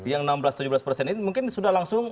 yang enam belas tujuh belas persen itu mungkin sudah langsung